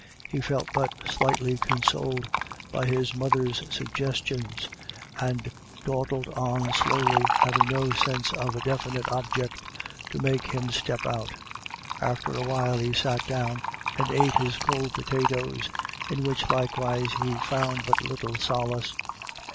He felt but slightly consoled by his mother's suggestions, and dawdled on slowly, having no sense of a defi nite object to make him step out After a while he sat down and ate his cold potatoes, in which, likewise, he found but little solace.